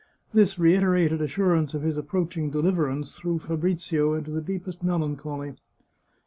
This reiterated assurance of his approaching deliverance threw Fabrizio into the deepest melancholy.